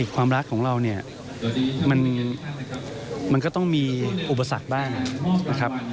ความรักของเราเนี่ยมันก็ต้องมีอุปสรรคบ้างนะครับ